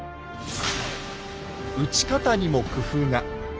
撃ち方にも工夫が。